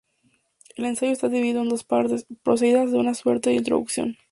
El ensayo está dividido en dos partes, precedidas de una suerte de introducción.